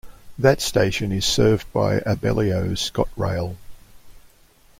That station is served by Abellio ScotRail.